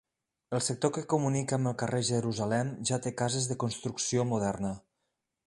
El sector que comunica amb el carrer Jerusalem ja té cases de construcció moderna.